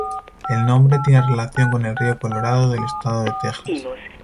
El nombre tiene relación con el Río Colorado del Estado de Texas.